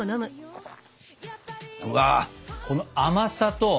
うわこの甘さと